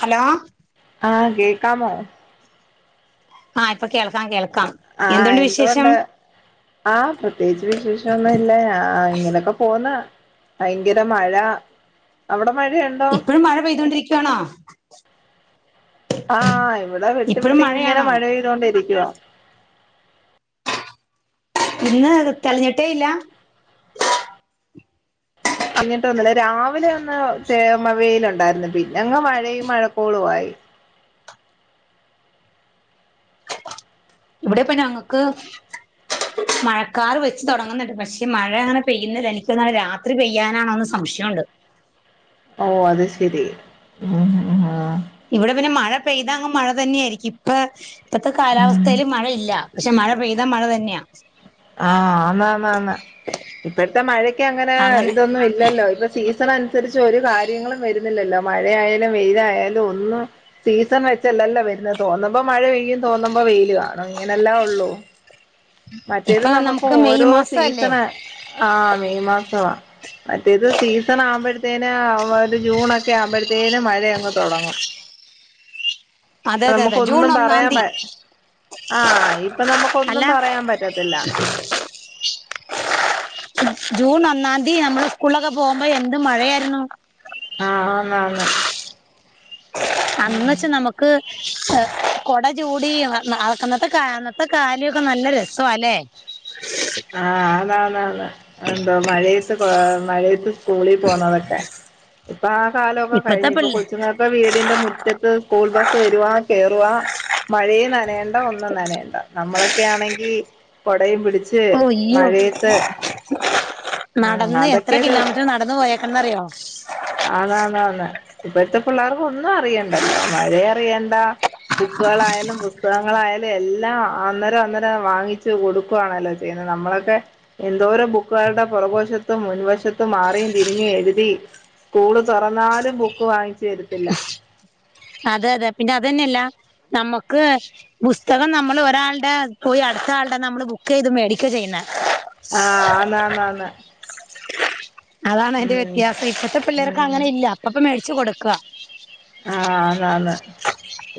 Hello ആഹ് കേക്കാമോ ആഹ് ഇപ്പൊ കേൾക്കാം കേൾക്കാം ആഹ് എന്തുണ്ട് ആഹ പ്രത്യേകിച്ച് വിശേഷംന്നും ഇല്ല ആ ഇങ്ങനെയൊക്കെ പോവുന്ന ഭയങ്കര മഴ അവിടെ മഴയണ്ട് ഇപ്പോഴും മഴ പെയ്തുകൊണ്ടിരിക്കവാണോ ആഹ് ഇവിടെ വിട്ടു ഇപ്പഴും വിട്ട് ഇങ്ങനെ മഴയാണോ മഴെയ്ത കൊണ്ടി ഇരിക്കുവ ഇന്ന് തെളഞ്ഞിട്ടേ ഇല്ല അഞ്ഞിട്ട് ഒന്നില്ല രാവിലെ ഒന്ന് തേമവേയില ഉണ്ടായിരുന്നു പിന്നെ അങ്ങ് മഴയും മഴക്കോളു ആയി ഇവിടെപ്പ ഞങ്ങക്ക് മഴക്കാർ വെച്ച് തുടങ്ങുന്നുണ്ട് പക്ഷെ മഴ അങ്ങനെ പെയ്യുന്ന എനിക്ക്ന്നാ രാത്രി പെയ്യാനാണോന്ന് സംശയമുണ്ട് ഓ അത് ശരി ഉം ഇവിടെ പിന്നെ മഴ പെയ്താങ്ക മഴ തന്നെയ ആയിരിക്കും ഇപ്പ ഇപ്പഴത്തെ കാലാവസ്ഥ ലും മഴയില്ല പക്ഷെ മഴ പെയ്താൽ മഴ തന്നെയാ ആഹ ആന്ന് ആന്ന് ഇപ്പഴത്തെ മഴക്ക് അങ്ങനെ ഇതൊന്നും ഇല്ലല്ലോ ഇപ്പ സീസൺ അനുസരിച്ച് ഒരു കാര്യങ്ങളും വരുന്നില്ലല്ലോ മഴയാലും വെയിലായാലും ഒന്നും സീസൺ വെച്ചല്ലല്ലോ വരുന്നത് തോന്നുമ്പോ മഴ പെയ്യും തോന്നുമ്പോ വെയിൽ കാണോ ഇങ്ങനെല്ലാ ഉള്ളു. മറ്റേത് ഇപ്പൊ നമുക്ക് മെയ് ഓരോ മാസം അല്ലേ സീസണ് ആഹ് മെയ് മാസമാ മറ്റേത് സീസൺ ആവുമ്പോഴത്തേന് ഒരു ജൂൺക്കെ ആവുമ്പോഴത്തേന് മഴയങ്ങ് തുടങ്ങും അതെ അതെ അതെ ജൂൺ നമുക്കൊന്നും ഒന്നാം പറയാൻ പ തീയതി ആ ഇപ്പൊ അല്ല നമുക്കൊന്നും പറയാൻ പറ്റത്തില്ല ജൂൺ ഒന്നാം തീയതി നമ്മള് സ്കൂളൊക്കെ പോകുമ്പോ എന്ത് മഴയായിരുന്നു ആഹ് ആന്ന് ആന്ന് അന്ന് വച്ച നമുക്ക് കൊട ചൂടി നടക്കുന്നത്തെ ക കാലയൊക്കെ നല്ല രസംല്ലേ ആഹ അത അത അതാ എന്തോ മഴയത്ത് മഴയത്ത് സ്കൂളിൽ പോന്നതൊക്കെ ഇപ്പൊ ആ കാലമൊക്കെ ഇപ്പത്തെ കഴിഞ്ഞു ഇപ്പൊ പിള്ളേ കൊച്ചു നേരം ഇപ്പ വീടിന്റെ മുറ്റത്ത് സ്കൂൾ ബസ്സ് വരുവാ കേറവാ മഴയും നനേണ്ട ഒന്നും നനേണ്ട നമ്മളൊക്കെ ആണെങ്കി കൊടയും പിടി ച്ച് ഓ അയ്യോ മഴയത്ത് ഉം നടന്ന് എത്ര അതൊക്കെ ഒരു കിലോമീറ്റർ നടന്ന് പോയേക്കണേന്നറിയോ ആന്നാന്നാന്ന് ഇപ്പഴ്ത്തെ പിള്ളേർക്ക് ഒന്നും അറിയണ്ടല്ലോ മഴേം അറിയണ്ട ബുക്കുകളായാലും പുസ്തകങ്ങളായാലും എല്ലാം അന്നേരം അന്നേരം വാങ്ങിച്ചു കൊടുക്കുവാണല്ലോ ചെയ്യ് ചെയ്യുന്നെ നമ്മളൊക്കെ എന്തോരം ബുക്കുകളുടെ പുറകുവശത്തും മുൻവശത്തും മാറിയും തിരിഞ്ഞു എഴുതി സ്കൂള് തൊറന്നാലും ബുക്ക് വാങ്ങിച്ചു തരത്തില്ല അതെ അതെ പിന്നെ അതന്നെയല്ല നമ്മക്ക് പുസ്തകം നമ്മൾ ഒരാൾടെ പോയി അടുത്ത ആളുടെ നമ്മള് ബുക്ക് ചെയ്ത് മേടിക്കാ ചെയ്യുന്നെ ആഹ് ആന്നാന്നാന്ന് അതാണ് അതിന്റെ ഉം വ്യത്യാസം ഇപ്പത്തെ പിള്ളേർക്ക് ഉം അങ്ങനെ ഇല്ല അപ്പപ്പ മേടിച്ചു കൊടുക്കാ ആഹ് ആന്നാന്ന്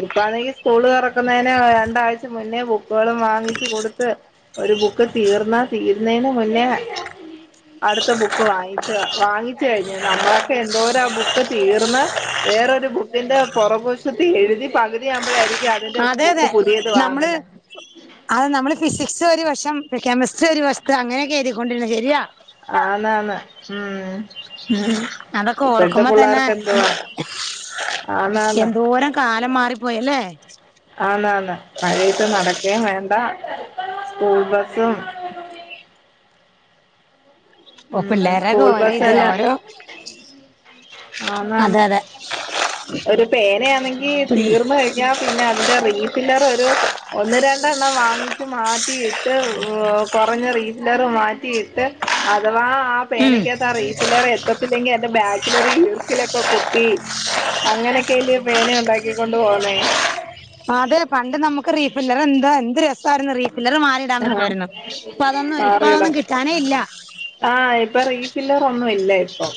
ഇപ്പാണെങ്കി സ്കൂള് തൊറക്കുന്നേന് രണ്ടാഴ്ച മുന്നേ ബുക്ക് ബുക്കുകളും വാങ്ങിച്ചു കൊടുത്ത് ഒരു ബുക്ക് തീർന്നാ തീര്ന്നേന് മുന്നേ അടുത്ത ബുക്ക് വാങ്ങിച്ചാ വാങ്ങിച്ച് കഴിഞ്ഞ് നമ്മളൊക്കെ എന്തോരാ ആ ബുക്ക് തീർന്ന് വേറൊരു ബുക്കിന്റെ പൊറകുവശത്ത് എഴുതി പകുതിയാവുമ്പഴായിരി ക്കും അതിന്റെ അതെ ബുക്ക് അതെ പുതിയത് നമ്മള് വാങ്ങുന്നെ അത് നമ്മള് ഫിസിക്സ് ഒരു വശം കെമിസ്ട്രി ഒരു വശത്ത് അങ്ങനെയൊക്കെ എഴുതിക്കൊണ്ടിരുന്നെ ശരിയാ ആന്നാന്ന് ഉം ഉം അതൊക്കെ ഇപ്പഴ്ത്തെ ഓർക്കുമ്പോ തന്നെ പിള്ളേർക്കെന്തുവാ എന്തോരം കാലം മാറിപ്പോയല്ലേ ആന്നാന്ന് മഴയത്ത് നടക്കേം വേണ്ട സ്കൂൾ ബസ്സും ഓ ഉം പിള്ളേര്ടെ ഒക്കെ സ്കൂൾ ഓരോ ഇത് ബസ്സെല്ലാം ഓരോ അതെ ആന്നാന്നു അതെ ഒരു പേനയാന്നെങ്കി പിള്ളേ തീർന്ന് കഴിഞ്ഞാ പിന്നെ അതിന്റെ റീഫില്ലർ ഒരു ഒന്ന് രണ്ടെണ്ണം വാങ്ങിച്ച് മാറ്റിയിട്ട് ഏഹ് കുറഞ്ഞ റീഫില്ലറും മാറ്റിയിട്ട് അഥവാ ആ ഉം പേനക്കാത്ത് ആ റീഫില്ലർ എത്തത്തില്ലെങ്കിൽ അതിന്റെ ബാക്കിലൊരു ഈർക്കിലൊക്കെ കുത്തി അങ്ങനെയൊക്കെയല്ലെയോ പേന ഒണ്ടാക്കി കൊണ്ട് പോന്നേ അതെ പണ്ട് നമുക്ക് റീഫില്ലർ എന്താ എന്ത് രസാർന്നു റീഫില്ലർ മാറി ഇടാൻ ആഹ് പറ്റുവായിരുന്നു ഇപ്പൊ അതൊന്നും ഇപ്പതൊന്നും മാറിയിടം കിട്ടാനേ ഇല്ല ആഹ് ഇപ്പൊ റീഫില്ലറൊന്നും ഇല്ല ഇപ്പം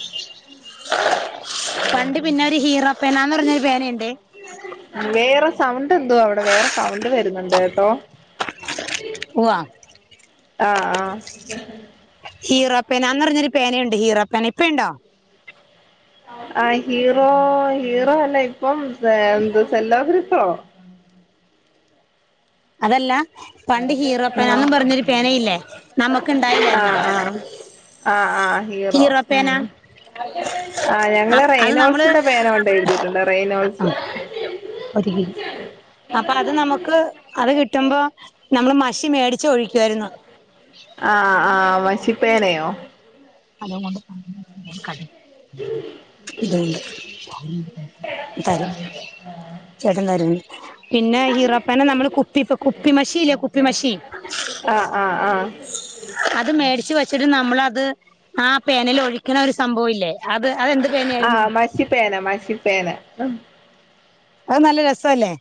പണ്ട് പിന്നെ ഒരു ഹീറോ പേനാന്ന് പറഞ്ഞൊരു പേനയുണ്ട് വേറെ സൗണ്ട് എന്തുവാ അവിടെ വേറെ സൗണ്ട് വരുന്നുണ്ട് കേട്ടോ ഉവ്വാ ആഹ് ആഹ് ഹീറോ പേനാന്ന് പറഞ്ഞൊരു പേനയുണ്ട് ഹീറോ പേന ഇപ്പയ്ണ്ടോ ആഹ് ഹീറോ ഹീറോ അല്ല ഇപ്പം എന്ത് സെല്ലോ [unintelligible] അതല്ല പണ്ട് ആഹ് ഹീറോ പേനാന്നും പറഞ്ഞൊരു ആഹ് പേനയില്ലേ നമുക്ക് ഇണ്ടായില്ലായിരുന്നോ ആഹ് ആഹ് ആഹ് ഹീറോ ഉം ആഹ് ഞങ്ങള് അത് നമ്മള് റെയ്നോൾസിന്റെ പേന കൊണ്ട് എഴുതിയിട്ടുണ്ട് റെയ്നോൾസ് ആ ഒരു കിലോ അപ്പൊ അത് നമുക്ക് അത് കിട്ടുമ്പോ നമ്മള് മഷി മേടി ച്ചൊഴിക്കുവായിരുന്നു ആഹ് ആഹ് മശിപ്പേനയോ? [unintelligible] കൊണ്ട് [unintelligible] ഇത് കൊണ്ട് തരും ചേട്ടൻ തരൂന്ന് പിന്നെ ഈറപ്പനെ നമ്മള് കുപ്പി കുപ്പി മശില്ലേ കുപ്പി മശി ആഹ് ആഹ് ആഹ് അത് മേടിച്ചു വച്ചിട്ട് നമ്മള് അത് ആ പേനല് ഒഴിക്ക്ണ ഒരു സംഭവില്ലെ. അത് അത് എന്ത് പേനാ ആഹ് മശിപ്പേന മശിപ്പേന അത് നല്ല രസല്ലേ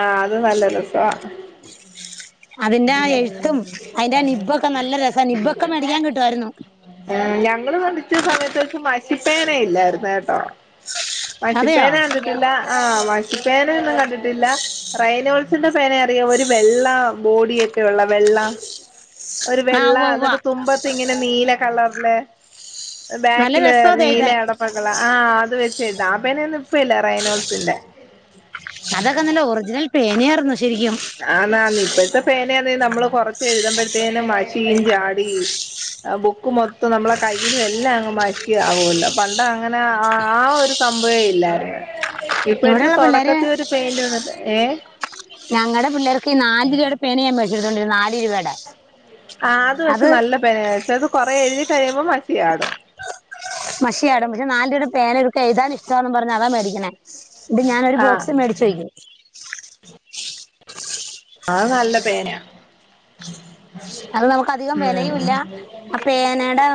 ആഹ് അത് നല്ല രസവാ. അതിന്റെ ആ എഴുത്തും ഉം അതിന്റെ നിബൊക്കെ നല്ല രസ. നിബ്ബൊക്കെ മേടിക്കാൻ കിട്ട്വായിരുന്നു. ആ ഞങ്ങള് പഠിച്ച സമയത്ത് വച്ച് മശിപ്പേന ഇല്ലായിര്ന്ന് കെട്ടോ. മഷി അതെയോ പേന കണ്ട്ണ ല്ല ആ മഷിപ്പേന ഒന്നും കണ്ടിട്ടില്ല. റൈനോൾസിന്റെ പേന അറിയോ ഒരു വെള്ള ബോഡിയൊക്കെ ഉള്ള വെള്ള ഒരു ആ വെള്ള ഉവ്വ ഉവ്വ ഇന്നട്ട് തുമ്പത്ത് ഇങ്ങനെ നീല കളറ്ല് നല്ല ബേക്കില് രസാ അത് എഴുതാൻ നീലയാണോ പ ർപിള ആഹ് അത് വെച്ചെഴ്ത. ആ പേനെ ഒന്നു ഇപ്പല്ല റൈനോൾസിന്റെ അതൊക്കെ നല്ല ഒറിജിനൽ പേനയായിരുന്നു ശരിക്കും. ആന്നാന്ന് ഇപ്പഴത്തെ പേന ആന്ന് നമ്മള് കൊറച്ച് എഴുതുമ്പഴത്തേനും മഷിയും ചാടി. ബുക്ക് മൊത്തം നമ്മളെ കയ്യിലും എല്ലാം അങ്ങ് മഷി ക്കി ആവൊല്ലോ. പണ്ട് അങ്ങനെ ആ ഒരു സംഭവേ ഇല്ലായിരുന്നു. ഇപ്പഴെത്തെ ഇവിടെയുള്ള തൊടക്കത്തി ഒരു പെയിന്റ് ആണത് ഏഹ്. ഞങ്ങടെ പിള്ളേർക്ക് ഈ നാല് രൂപയുടെ പേനയാ മേടിച്ചെടുത്തോണ്ടിർന്ന് നാല് രൂ വയുടെ. ആഹ് അത് പക്ഷെ നല്ല പന പക്ഷെ അത് കൊറേ എഴുതി കഴിയുമ്പോ മശിചാടും. മഷിചാടും. പക്ഷെ നാല് രൂപേടെ പേന ഇവർക്ക് എഴതാൻ ഇഷ്ടാന്നും പറഞ്ഞ് അതാ മേടിക്ക്ണേ. ഇത് ഞാനൊരു ആഹ് ബോക്സ് മേടിച്ചു. അയ്ന്‌ അത് നല്ല പേന അത് നമുക്ക് അധികം വെലയുല്ല ആ പേനയുടെ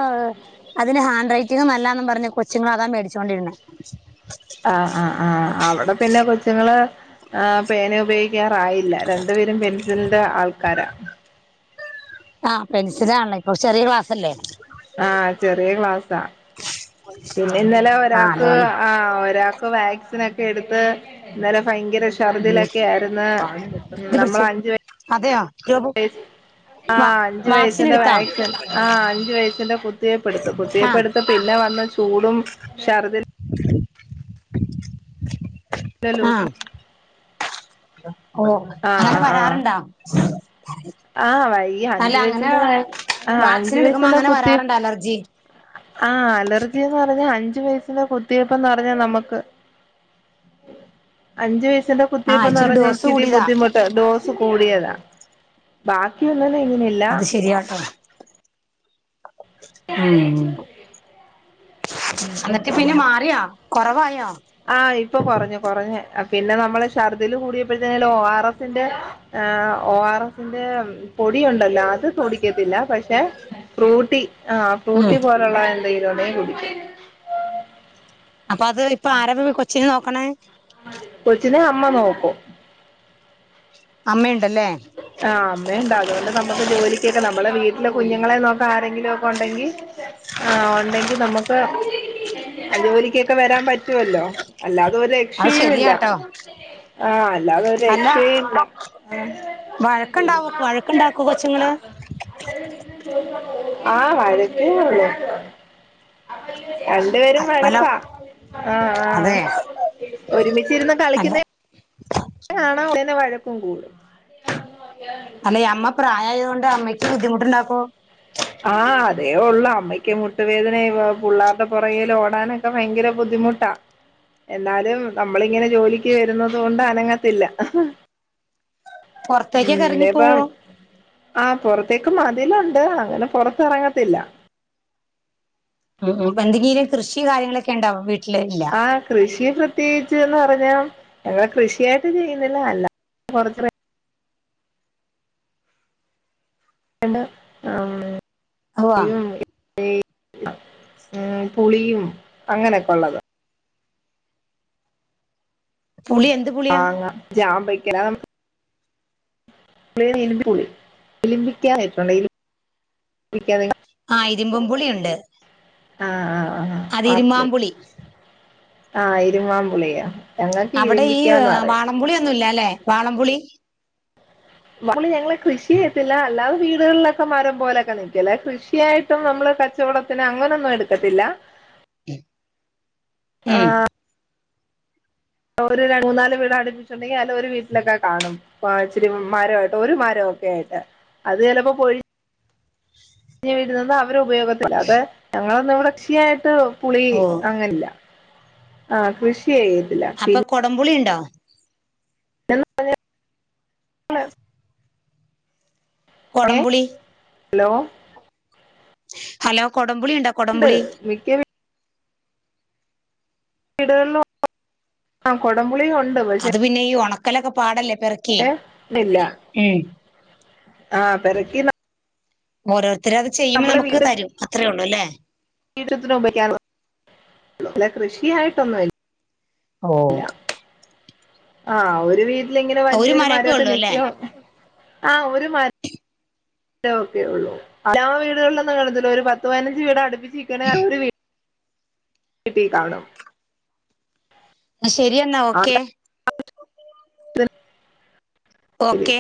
അതിന് ഹാൻഡ് റൈറ്റിങ് നല്ലാന്നും പറ്ഞ് കൊച്ചുങ്ങൾ അതാ മേടിച്ചുകൊണ്ടിരുന്നെ. ആഹ് ആഹ് ആഹ് അവിടെ പിന്നെ കൊച്ചുങ്ങള് ഹ് പേന ഉപയോഗി ക്ക്യാറായില്ല രണ്ടു പേരും പെൻസിലിന്റെ ആൾക്കാരാ. ആഹ് പെൻസിലാണല്ലോ ഇപ്പം. ചെറ്യേ ക്ലാസ്സല്ലെ. ആഹ് ചെറ്യേ ക്ലാസ്സാ. പിന്നെ ഇന്നലെ ആ ഒരാക്ക്. അതുകൊണ്ട് ആ ഒരാൾക്ക് വാക്സിൻ ഒക്കെ എടുത്ത് ഇന്നലെ ഭയങ്കര ഇശ് ഉം. ചർദിലൊക്കെ ആയിര്ന്ന് ഇത് നമ്മൾ പിടിച്ചേ അഞ്ച്. അതെയോ റ്റോബു. വയസ് ആഹ് അഞ്ചു വയസിന്റെ വാക്സിൻ ആഹ് അഞ്ചു വയസിന്റെ കുത്തിയെപ്പെടുത്തു ആ കുത്തിയെപ്പെടുത്ത പിന്നെ വന്ന് ചൂടും ശർദിലും. ല്ല ലൂസ് ആഹ്. ഓ ആഹ് അങ്ങനെ ആഹ് ആഹ് വരാറുണ്ടാ. ആഹ് വൈ ഈ അല്ല അഞ്ചു അങ്ങനെ വയസിന്റെ കാര്യം ആഹ് വാക്സിൻ അഞ്ചു എടുക്കുമ്പോ വയസിന്റെ അങ്ങനെ കുത്തി വരാറുണ്ട് അലർജി. ആഹ് അലർജിന്ന് പറഞ്ഞ അഞ്ചു വയസിലെ കുത്തിയപ്പന്ന് പറഞ്ഞാ നമക്ക്. അഞ്ചു വയസ്സിന്റെ ആഹ് കുത്തിയപ്പന്ന് പറഞ്ഞ ഡോസ് ഇച്ചിരി കൂടിയതാ ബുദ്ധിമുട്ട് ഡോസ്. റ്റ് കുടിയതാ. ബാക്കി ഉള്ളത് എങ്ങനെലും. അത് ശരിയാട്ടോ ഉം. ഉം ഉം അന്നിട്ട് ഉം പിന്നെ മാറ്യാെ കൊറവായോ. ആഹ് ഇപ്പൊ കൊറഞ്ഞു കൊറഞ്ഞ്. പിന്നെ നമ്മള് ഷർദില് കൂടിയപ്പോഴ്തേലും ഒ ആർ എസിന്റെ. ആഹ് ഒ ആർ എസിന്റെ പൊടി ഉണ്ടല്ലോ അത് കുടിക്കത്തില്ല പക്ഷെ ഫ്രൂട്ടി ആ ഉം ഫ്രൂട്ടി പോലുള്ള എന്തെലും ഉണ്ടെങ്കി കുടിക്കും അപ്പൊ അത് ഇപ്പ ആര ഇപ്പൊ ഈ കൊച്ചിനെ നോക്ണേ കൊച്ചിനെ അമ്മ നോക്കും അമ്മ ഇണ്ടല്ലേ ആഹ് അമ്മ ഇണ്ട് അതുകൊണ്ട് നമുക്ക് ജോലിക്കൊക്കെ നമ്മെളെ വീട്ടിലെ കുഞ്ഞുങ്ങളെ നോക്കാൻ ആരെങ്കിലും ഒക്കെ ഉണ്ടെങ്കി [unintelligible] ആഹ് ഒണ്ടെങ്കി നമുക്ക് ജോലിക്കൊക്കെ വരാൻ പറ്റുവല്ലോ അല്ലാതെ ഓല് അത് രക്ഷയുല്ല ശരിയാട്ടോ ആഹ അല്ലാതൊരു അല്ല രക്ഷയുല്ല വഴക്കുണ്ടാവോ വഴക്കുണ്ടാക്കോ കൊച്ചുങ്ങള് ആഹ വഴക്കേ ഒള്ളു രണ്ടുപേരും അല്ല വഴക്കാ ആഹ അതെ ആഹ ഒരുമിചിരിന്ന് അല്ല കളിക്കുന്നേ കാണം ഇങ്ങനെ വഴക്കും കൂടും അല്ലെ അമ്മ പ്രായായോണ്ട് അമ്മക്ക് ബുദ്ധിമുട്ടുണ്ടാക്കോ ആഹ് അതേ ഉള്ളു അമ്മയ്ക്ക് മുട്ടുവേദനേം പുള്ളാരുടെ പുറകേല് ഓടാനൊക്കെ ഭയങ്കര ബുദ്ധിമു ട്ടാ എന്നാലും നമ്മളിങ്ങനെ ജോലിക്ക് വരുന്നതോണ്ട് അനങ്ങത്തില്ല ഉം പുറത്തേക്കൊക്കെ ഇറങ്ങി പോവോ ഇഞ്ഞിപ്പം ആ പൊറത്തേക്ക് മതിലുണ്ട് അങ്ങനെ പൊറത്ത് ഇറങ്ങത്തില്ല ഉം ഉം എന്തെങ്കീലും കൃഷിം കാര്യങ്ങളൊക്കെ ഉണ്ടോ വീ ആഹ് കൃഷി പ്രത്യേകിച്ച്ന്ന് പറഞ്ഞാ ഞങ്ങള് കൃഷിയായിട്ട് ചെയ്യുന്നില്ല അല്ലാ കുറച് ഓ [unintelligible] ഈ പുളിയും അങ്ങനൊക്കെ ഒള്ളത് പുളി എന്ത് പുളിയാ മാങ്ങ ജാമ്പക്ക [unintelligible] ഇളിന്തിക്കാന്ന് കേട്ടിട്ടുണ്ടോ ആഹ് ഇരുബ് പുളിയുണ്ട് ആഹ് ആഹ് ആ ആ പുളി ഇരുമ്പാമ്പുളി ആഹ് ഇരുമ്മാപുളിയ ഞങ്ങക് ഇരിമ്പിക്കാന്ന് പറയും പുളിയൊന്നും ഇല്ലാലേ വാളംപുളി ഇരുമ്പ് പുളി ഞങ്ങള് കൃഷി ചെയത്തില്ല അല്ലാതെ വീടുകളിലൊക്കെ മരം പോലൊക്കെ നിക്ണ്ട് അല്ലാതെ കൃഷിയായി ട്ട് നമ്മള് കച്ചവടത്തിന് അങ്ങനൊന്നും എടുക്കത്തില്ല [inaudible] ഉം ആഹ് ഒരു മൂന്നാല് വീട് അടിപ്പിച്ച്ണ്ടെങ്കിൽ അതില് ഒരു വീട്ടിലൊക്കെ കാണും ഇച്ചിരി മരം ആയിട്ട് ഒരു മരം ഒക്കെ ആയിട്ട് അത് ചിലപ്പോ പൊഴിഞ്ഞ് വീഴ്ന്നത് അവരു ഉപയോഗത്തിലാ അല്ലാതെ ഞങ്ങളൊന്നും ഇവ്ടെ കൃഷിയായിട്ട് പുളി ഓ അങ്ങനില്ല ആ കൃഷി ചെയ്യത്തില്ല അപ്പൊ പിന്ന കൊടംപുളി ഇണ്ടോ [unintelligible] കൊടംപുളി ഹലോ ഹലോ കൊടംപുളി ഇണ്ടോ ഉണ്ട് മിക്ക വീ വീടുകളിൽ ആ കൊടംപുളിയും ഉണ്ട് അത് പിന്നെഈ ഉണക്കലക്കെ പാടല്ലേ പെറു എ തില്ല പെറുക്കി ന ഓരോരുത്തര അത് ചെയ്യുമ്പം നമുക്ക് തരും അത്രേ ഉള്ളൂ അല്ലേ കൃഷിയായിട്ടൊന്നുംല്ല [unintelligible] ഓ ഇല്ല ആഹ് ഒരു വീട്ടിലെങ്ങിനെ ഒരു വല്യൊരു മരൊക്കെ മരമൊക്ക ഉള്ളൂ അല്ലേ നിക്കിം ആഹ് ഒരു മരം എല്ലാ വീടുകളിലൊന്നും കണതില്ല ഒരു പത്ത് പതിനഞ്ച് വീട് അടുപ്പിച്ച വീട്ടിൽ കാണം [unintelligible] ശരിയെന്നാ ഓക്കെ ഓക്കെ